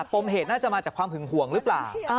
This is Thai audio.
ปมเหตุน่าจะมาจากความหึงห่วงหรือเปล่า